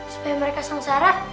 supaya mereka sangsara